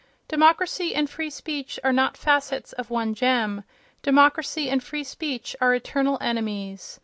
Democracy and free speech are not facets of one gem; democracy and free speech are eternal enemies.